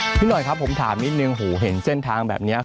พี่หน่อยครับผมถามนิดนึงหูเห็นเส้นทางแบบนี้